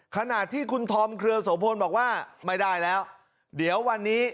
ขณะที่คุณธอมเครือโสพลบอกว่าไม่ได้แล้วเดี๋ยววันนี้